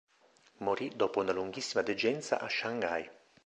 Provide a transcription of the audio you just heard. Morì dopo una lunghissima degenza a Shanghai.